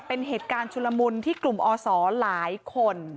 เป็นเหตุการณ์ชุลมุนที่กลุ่มอศหลายคน